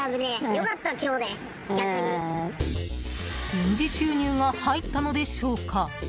臨時収入が入ったのでしょうか。